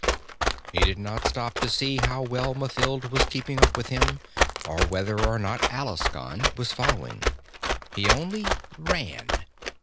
He did not stop to see how well Mathild was keeping up with him, or whether or not Alaskon was following. He only ran.